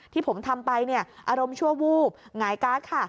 ที่ผมทำไปเนี่ยอารมณ์ชั่ววูบหงายก๊าซค่ะ